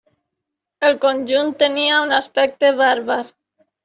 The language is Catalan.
El conjunt tenia un aspecte bàrbar.